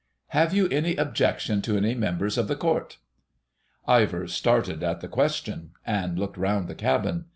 "Have you any objection to any members of this Court?" Ivor started at the question and looked round the cabin.